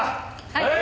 はい！